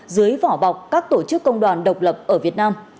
dưới vỏ bọc các tổ chức công đoàn độc lập ở việt nam